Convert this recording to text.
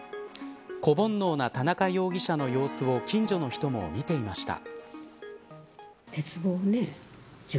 子煩悩な田中容疑者の様子を近所の人も見ていました。